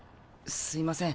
すいません